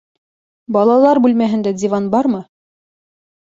Балалар бүлмәһендә диван бармы?